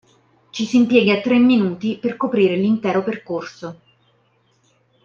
Ci si impiega tre minuti per coprire l'intero percorso.